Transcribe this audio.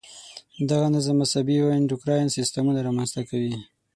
دغه نظم عصبي او انډوکراین سیستمونه را منځته کوي.